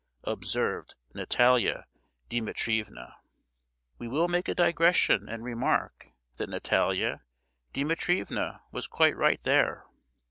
observed Natalia Dimitrievna. We will make a digression, and remark that Natalia Dimitrievna was quite right there!